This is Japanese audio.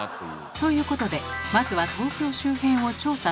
ということでまずは東京周辺を調査してみると。